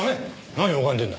何拝んでるんだ。